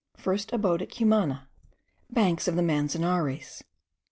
4. FIRST ABODE AT CUMANA. BANKS OF THE MANZANARES.